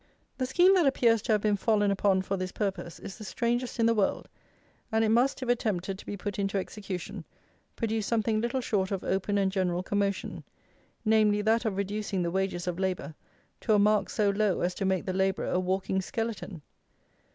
The scheme that appears to have been fallen upon for this purpose is the strangest in the world, and it must, if attempted to be put into execution, produce something little short of open and general commotion; namely, that of reducing the wages of labour to a mark so low as to make the labourer a walking skeleton.